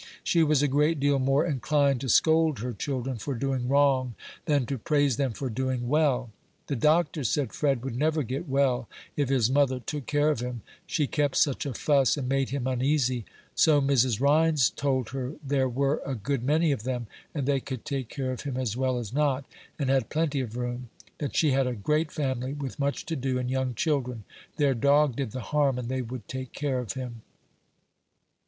She was a great deal more inclined to scold her children for doing wrong, than to praise them for doing well. The doctor said Fred would never get well, if his mother took care of him, she kept such a fuss, and made him uneasy; so Mrs. Rhines told her there were a good many of them, and they could take care of him as well as not, and had plenty of room; that she had a great family, with much to do, and young children; their dog did the harm, and they would take care of him.